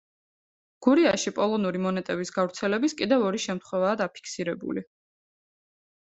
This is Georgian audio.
გურიაში პოლონური მონეტების გავრცელების კიდევ ორი შემთხვევაა დაფიქსირებული.